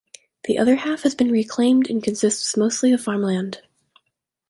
The other half has been reclaimed and consists mostly of farmland.